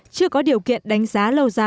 chưa có điều kiện đánh giá